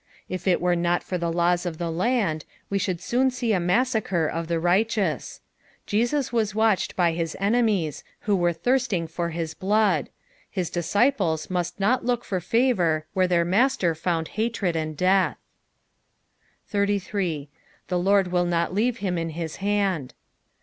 If it were not for the laws of the land, we should soon see a massacre of the righteous. Jesus was watched by his enemies, who were thirsting for hu blood : his dis ciples must not look lor favour where tb^ir Master found hatred and death. 8S. " Th» Lord aiii not Uave him in hit hand."